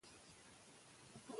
ایا شرکت ګټه کوي؟